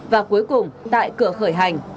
và cuối cùng tại cửa khởi hành